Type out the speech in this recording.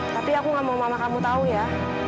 tapi aku gak mau mama kamu tahu ya